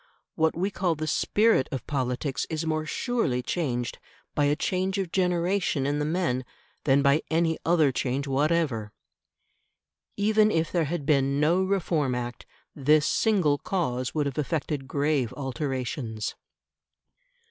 What we call the "spirit" of politics is more surely changed by a change of generation in the men than by any other change whatever. Even if there had been no Reform Act, this single cause would have effected grave alterations.